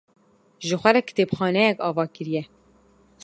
Ji xwe re kitêbxaneyek ava kiriye.